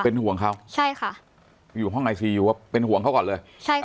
เป็นห่วงเขาใช่ค่ะอยู่ห้องไอซียูว่าเป็นห่วงเขาก่อนเลยใช่ค่ะ